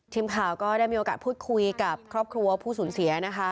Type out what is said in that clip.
ทีมข่าวก็ได้มีโอกาสพูดคุยกับครอบครัวผู้สูญเสียนะคะ